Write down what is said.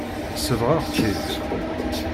Sebɣeɣ-tt-id.